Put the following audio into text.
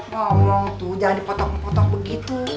ngomong tuh jangan dipotong potok begitu